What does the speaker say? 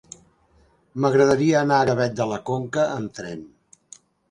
M'agradaria anar a Gavet de la Conca amb tren.